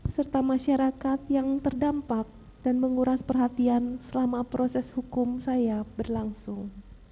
serta masyarakat yang terdampak dan menguras perhatian selama proses hukum saya berlangsung